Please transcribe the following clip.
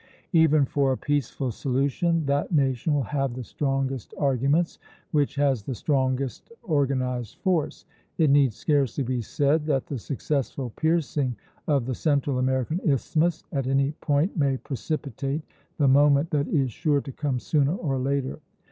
Even for a peaceful solution, that nation will have the strongest arguments which has the strongest organized force. It need scarcely be said that the successful piercing of the Central American Isthmus at any point may precipitate the moment that is sure to come sooner or later.